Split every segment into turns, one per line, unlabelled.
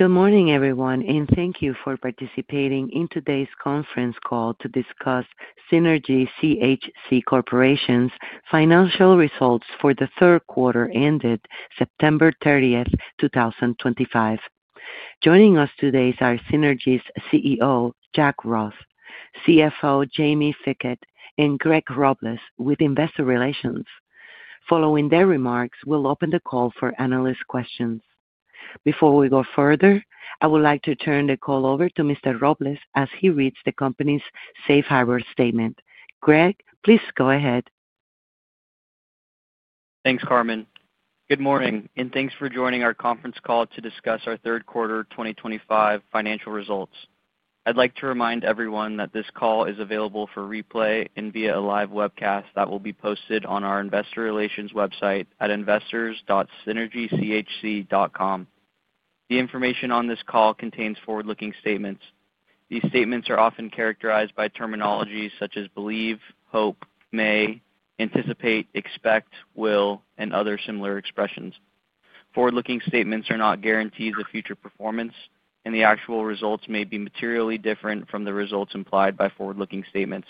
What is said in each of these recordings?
Good morning, everyone, and thank you for participating in today's conference call to discuss Synergy CHC Corporation's Financial Results for the Third Quarter ended September 30th, 2025. Joining us today are Synergy's CEO, Jack Ross, CFO, Jaime Fickett, and Greg Robles with Investor Relations. Following their remarks, we'll open the call for analyst questions. Before we go further, I would like to turn the call over to Mr. Robles as he reads the company's Safe Harbor Statement. Greg, please go ahead.
Thanks, Carmen. Good morning, and thanks for joining our conference call to discuss our Third Quarter 2025 Financial Results. I'd like to remind everyone that this call is available for replay and via a live webcast that will be posted on our Investor Relations website at investors.synergychc.com. The information on this call contains forward-looking statements. These statements are often characterized by terminology such as believe, hope, may, anticipate, expect, will, and other similar expressions. Forward-looking statements are not guarantees of future performance, and the actual results may be materially different from the results implied by forward-looking statements.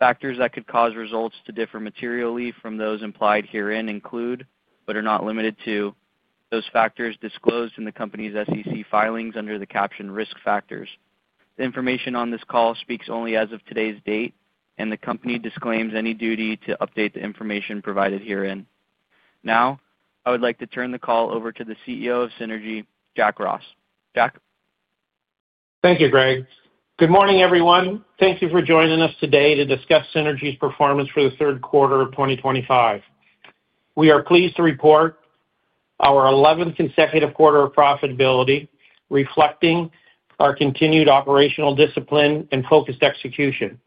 Factors that could cause results to differ materially from those implied herein include, but are not limited to, those factors disclosed in the company's SEC filings under the captioned risk factors. The information on this call speaks only as of today's date, and the company disclaims any duty to update the information provided herein. Now, I would like to turn the call over to the CEO of Synergy, Jack Ross. Jack?
Thank you, Greg. Good morning, everyone. Thank you for joining us today to discuss Synergy's performance for the Third Quarter of 2025. We are pleased to report our 11th consecutive quarter of profitability, reflecting our continued operational discipline and focused execution.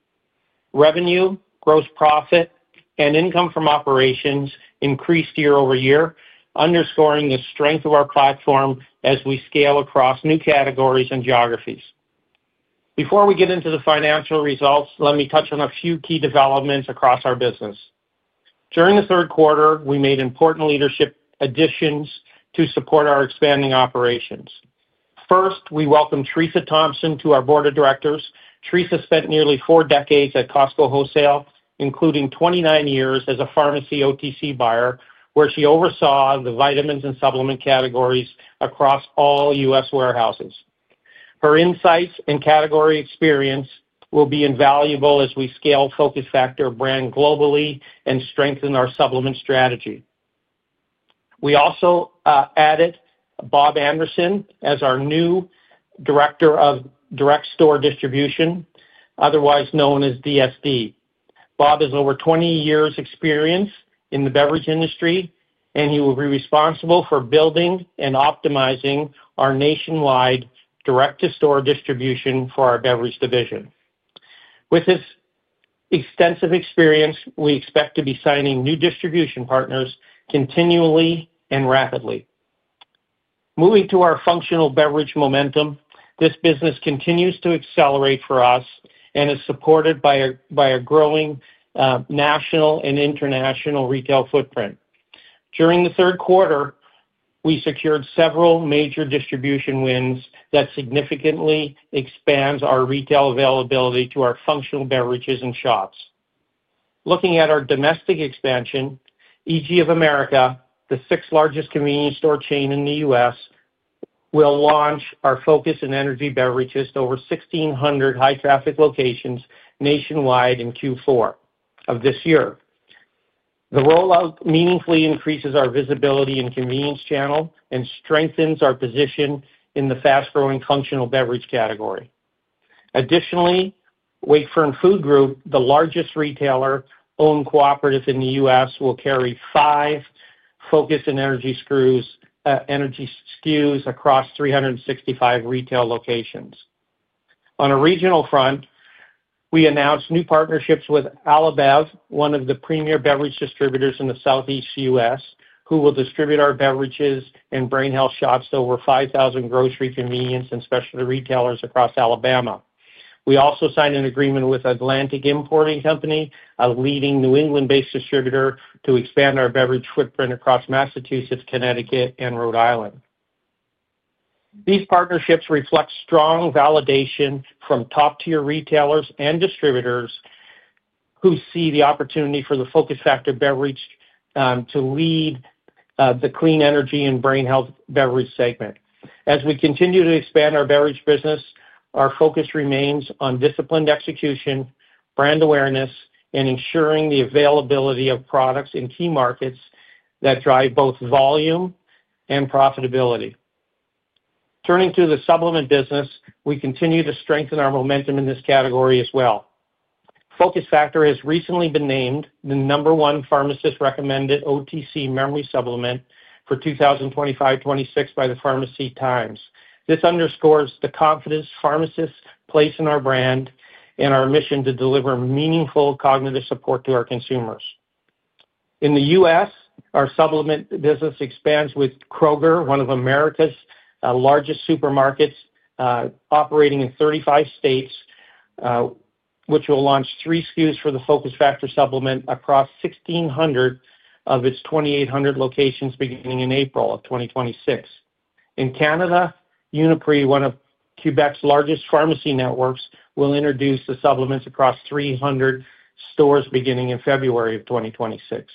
Revenue, gross profit, and income from operations increased year over year, underscoring the strength of our platform as we scale across new categories and geographies. Before we get into the financial results, let me touch on a few key developments across our business. During the third quarter, we made important leadership additions to support our expanding operations. First, we welcome Teresa Thompson to our Board of Directors. Teresa spent nearly four decades at Costco Wholesale, including 29 years as a pharmacy OTC buyer, where she oversaw the vitamins and supplement categories across all U.S. warehouses. Her insights and category experience will be invaluable as we scale Focus Factor brand globally and strengthen our supplement strategy. We also added Bob Anderson as our new Director of Direct Store Distribution, otherwise known as DSD. Bob has over 20 years' experience in the beverage industry, and he will be responsible for building and optimizing our nationwide direct-to-store distribution for our beverage division. With his extensive experience, we expect to be signing new distribution partners continually and rapidly. Moving to our functional beverage momentum, this business continues to accelerate for us and is supported by a growing national and international retail footprint. During the third quarter, we secured several major distribution wins that significantly expand our retail availability to our functional beverages and shops. Looking at our domestic expansion, EG America, the sixth-largest convenience store chain in the U.S., will launch our Focus Energy beverages to over 1,600 high-traffic locations nationwide in Q4 of this year. The rollout meaningfully increases our visibility in the convenience channel and strengthens our position in the fast-growing functional beverage category. Additionally, Wakefern Food Group, the largest retailer-owned cooperative in the U.S., will carry five Focus Energy SKUs across 365 retail locations. On a regional front, we announced new partnerships with AlaBev, one of the premier beverage distributors in the Southeast U.S., who will distribute our beverages and Brain Health Shots to over 5,000 grocery, convenience, and specialty retailers across Alabama. We also signed an agreement with Atlantic Importing Company, a leading New England-based distributor, to expand our beverage footprint across Massachusetts, Connecticut, and Rhode Island. These partnerships reflect strong validation from top-tier retailers and distributors who see the opportunity for the Focus Factor beverage to lead the clean energy and brain health beverage segment. As we continue to expand our beverage business, our focus remains on disciplined execution, brand awareness, and ensuring the availability of products in key markets that drive both volume and profitability. Turning to the supplement business, we continue to strengthen our momentum in this category as well. Focus Factor has recently been named the number one pharmacist-recommended OTC memory supplement for 2025-2026 by the Pharmacy Times. This underscores the confidence pharmacists place in our brand and our mission to deliver meaningful cognitive support to our consumers. In the U.S., our supplement business expands with Kroger, one of America's largest supermarkets, operating in 35 states, which will launch three SKUs for the Focus Factor supplement across 1,600 of its 2,800 locations beginning in April of 2026. In Canada, Uniprix, one of Quebec's largest pharmacy networks, will introduce the supplements across 300 stores beginning in February of 2026.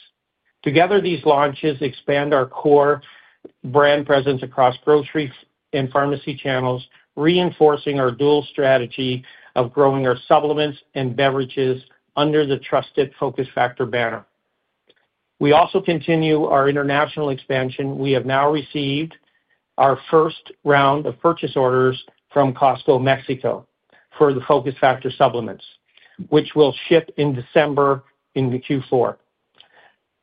Together, these launches expand our core brand presence across grocery and pharmacy channels, reinforcing our dual strategy of growing our supplements and beverages under the trusted Focus Factor banner. We also continue our international expansion. We have now received our first round of purchase orders from Costco, Mexico, for the Focus Factor supplements, which will ship in December in Q4.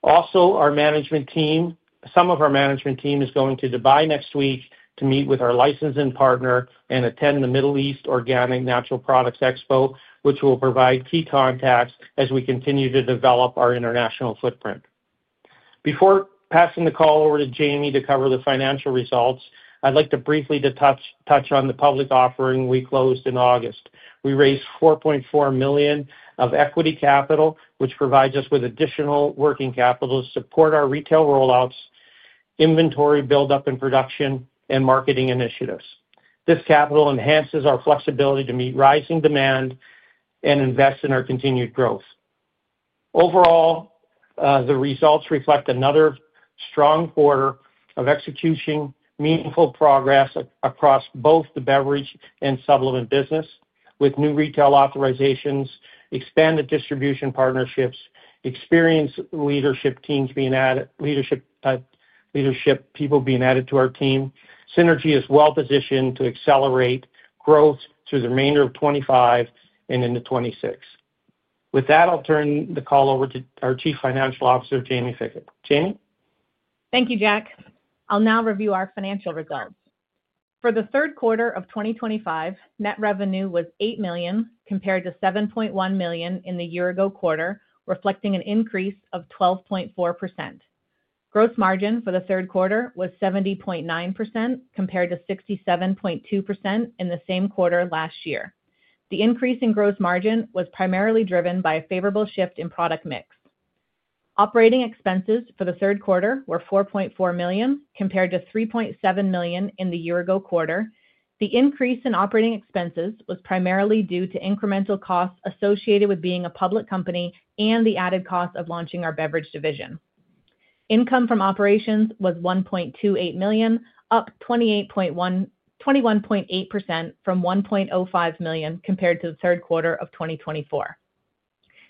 Also, some of our management team is going to Dubai next week to meet with our licensing partner and attend the Middle East Organic Natural Products Expo, which will provide key contacts as we continue to develop our international footprint. Before passing the call over to Jaime to cover the financial results, I'd like to briefly touch on the public offering we closed in August. We raised $4.4 million of equity capital, which provides us with additional working capital to support our retail rollouts, inventory build-up, and production and marketing initiatives. This capital enhances our flexibility to meet rising demand and invest in our continued growth. Overall, the results reflect another strong quarter of execution, meaningful progress across both the beverage and supplement business, with new retail authorizations, expanded distribution partnerships, and experienced leadership people being added to our team. Synergy is well-positioned to accelerate growth through the remainder of 2025 and into 2026. With that, I'll turn the call over to our Chief Financial Officer, Jaime Fickett. Jaime?
Thank you, Jack. I'll now review our financial results. For the Third Quarter of 2025, Net Revenue was $8 million compared to $7.1 million in the year-ago quarter, reflecting an increase of 12.4%. Gross margin for the third quarter was 70.9% compared to 67.2% in the same quarter last year. The increase in gross margin was primarily driven by a favorable shift in product mix. Operating Expenses for the third quarter were $4.4 million compared to $3.7 million in the year-ago quarter. The increase in operating expenses was primarily due to incremental costs associated with being a public company and the added cost of launching our beverage division. Income from operations was $1.28 million, up 21.8% from $1.05 million compared to the Third Quarter of 2024.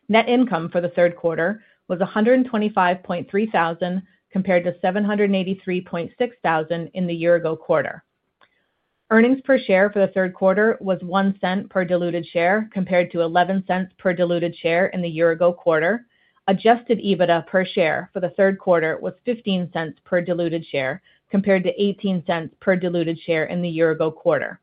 Net Income for the third quarter was $125,300 compared to $783,600 in the year-ago quarter. Earnings per share for the third quarter was $0.01 per diluted share compared to $0.11 per diluted share in the year-ago quarter. Adjusted EBITDA per share for the third quarter was $0.15 per diluted share compared to $0.18 per diluted share in the year-ago quarter.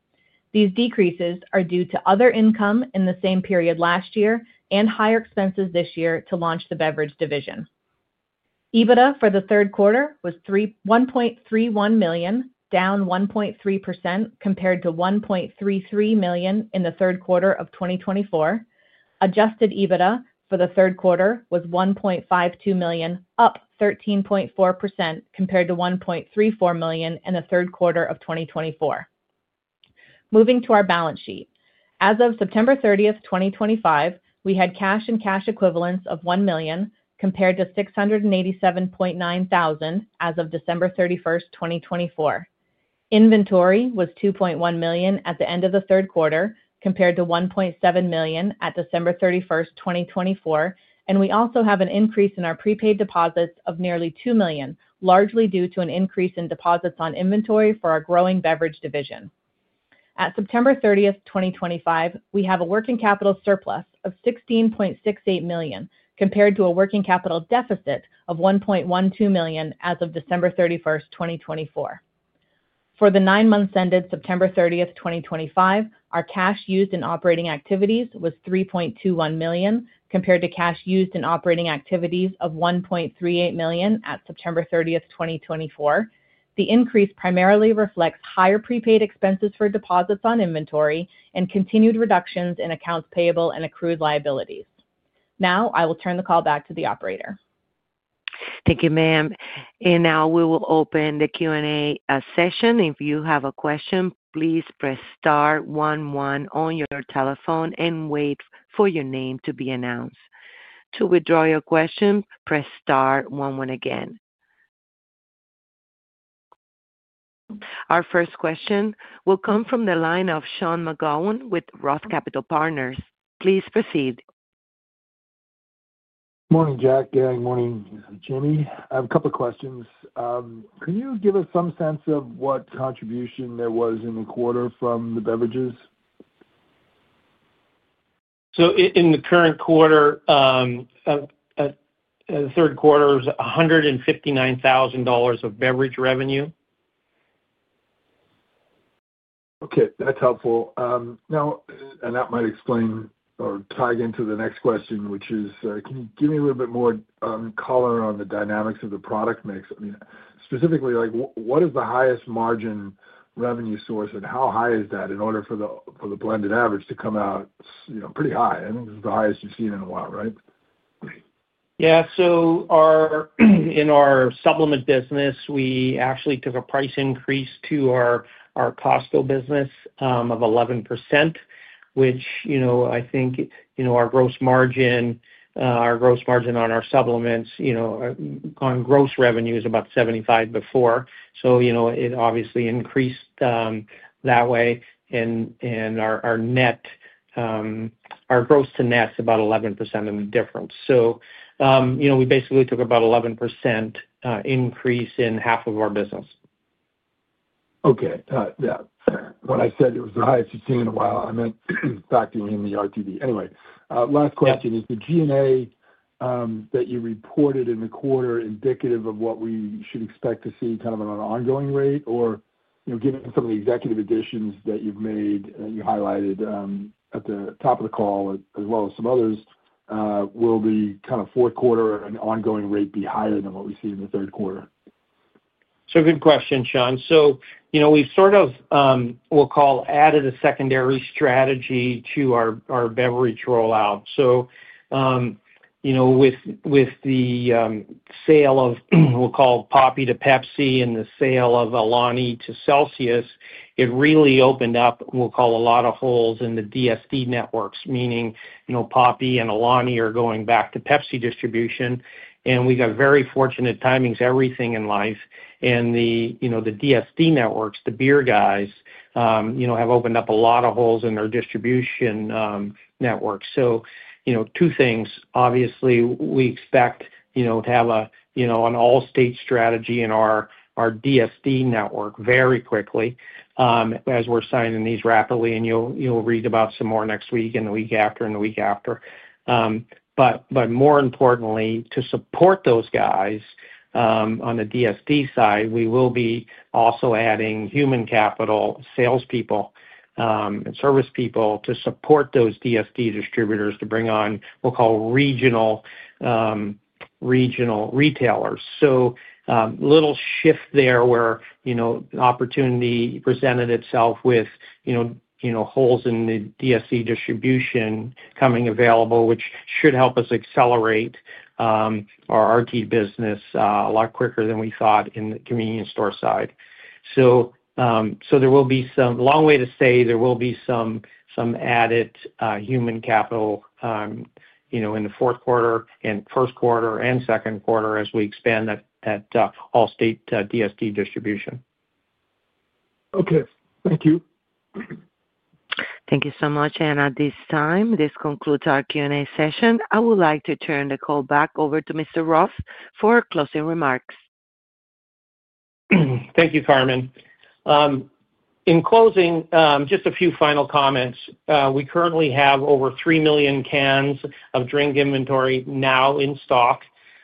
These decreases are due to other income in the same period last year and higher expenses this year to launch the beverage division. EBITDA for the third quarter was $1.31 million, down 1.3% compared to $1.33 million in the third quarter of 2024. Adjusted EBITDA for the third quarter was $1.52 million, up 13.4% compared to $1.34 million in the third quarter of 2024. Moving to our balance sheet. As of September 30th, 2025, we had cash and cash equivalents of $1 million compared to $687,900 as of December 31st, 2024. Inventory was $2.1 million at the end of the third quarter compared to $1.7 million at December 31st, 2024, and we also have an increase in our prepaid deposits of nearly $2 million, largely due to an increase in deposits on inventory for our growing beverage division. At September 30th, 2025, we have a working capital surplus of $16.68 million compared to a working capital deficit of $1.12 million as of December 31st, 2024. For the nine months ended September 30th, 2025, our cash used in operating activities was $3.21 million compared to cash used in operating activities of $1.38 million at September 30th, 2024. The increase primarily reflects higher prepaid expenses for deposits on inventory and continued reductions in accounts payable and accrued liabilities. Now, I will turn the call back to the operator.
Thank you, ma'am. Now we will open the Q and A session. If you have a question, please press star one one on your telephone and wait for your name to be announced. To withdraw your question, press star one one again. Our first question will come from the line of Sean McGowan with ROTH Capital Partners. Please proceed.
Good morning, Jack. Good morning, Jaime. I have a couple of questions. Could you give us some sense of what contribution there was in the quarter from the beverages?
In the current quarter, the third quarter was $159,000 of beverage revenue.
Okay. That's helpful. Now, and that might explain or tie into the next question, which is, can you give me a little bit more color on the dynamics of the product mix? I mean, specifically, what is the highest margin revenue source, and how high is that in order for the blended average to come out pretty high? I think this is the highest you've seen in a while, right?
Yeah. In our supplement business, we actually took a price increase to our Costco business of 11%, which I think our gross margin, our gross margin on our supplements, on gross revenue is about 75% before. It obviously increased that way. Our gross to net is about 11% of the difference. We basically took about an 11% increase in half of our business.
Okay. Yeah. When I said it was the highest you've seen in a while, I meant factoring in the RTD. Anyway, last question is, is the G&A that you reported in the quarter indicative of what we should expect to see kind of at an ongoing rate, or given some of the executive additions that you've made that you highlighted at the top of the call, as well as some others, will the kind of fourth quarter and ongoing rate be higher than what we see in the third quarter?
Good question, Sean. We sort of, we'll call, added a secondary strategy to our beverage rollout. With the sale of, we'll call, Poppi to Pepsi and the sale of Alani to Celsius, it really opened up, we'll call, a lot of holes in the DSD networks, meaning Poppi and Alani are going back to Pepsi distribution. We got very fortunate. Timing is everything in life. The DSD networks, the beer guys, have opened up a lot of holes in their distribution networks. Two things. Obviously, we expect to have an all-state strategy in our DSD network very quickly as we're signing these rapidly. You'll read about some more next week and the week after and the week after. More importantly, to support those guys on the DSD side, we will be also adding human capital, salespeople, and service people to support those DSD distributors to bring on, we'll call, regional retailers. A little shift there where the opportunity presented itself with holes in the DSD distribution coming available, which should help us accelerate our RTD business a lot quicker than we thought in the convenience store side. There will be some, long way to say, there will be some added human capital in the fourth quarter and first quarter and second quarter as we expand that all-state DSD distribution.
Okay. Thank you.
Thank you so much, and at this time, this concludes our Q and A session. I would like to turn the call back over to Mr. Ross for closing remarks.
Thank you, Carmen. In closing, just a few final comments. We currently have over 3 million cans of drink inventory now in stock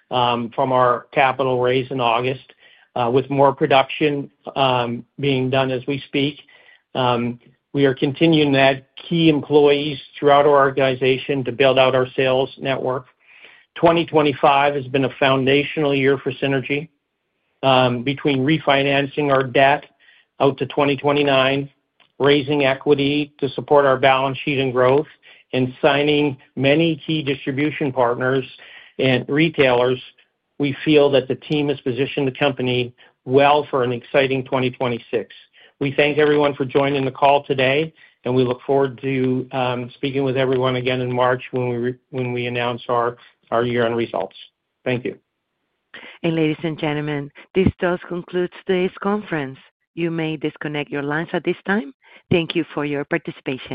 from our capital raise in August, with more production being done as we speak. We are continuing to add key employees throughout our organization to build out our sales network. 2025 has been a foundational year for Synergy between refinancing our debt out to 2029, raising equity to support our balance sheet and growth, and signing many key distribution partners and retailers. We feel that the team has positioned the company well for an exciting 2026. We thank everyone for joining the call today, and we look forward to speaking with everyone again in March when we announce our year-end results. Thank you.
Ladies and gentlemen, this does conclude today's conference. You may disconnect your lines at this time. Thank you for your participation.